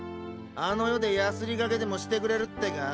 あの世でヤスリがけでもしてくれるってか？